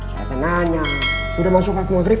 saya tanya sudah masuk waktu maghrib